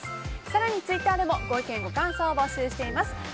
更にツイッターでもご意見、ご感想を募集しています。